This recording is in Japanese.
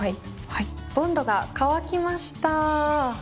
ボンドが乾きました。